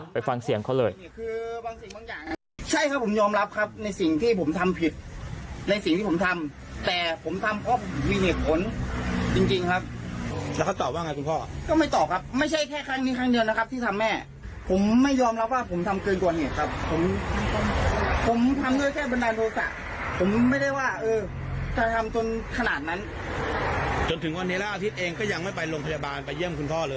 ไปฟังเสียงเขาเลย